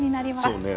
そうね。